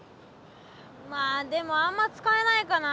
まあでもあんま使えないかな。